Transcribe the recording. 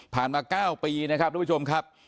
มา๙ปีนะครับทุกผู้ชมครับ